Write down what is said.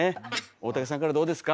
大竹さんからどうですか？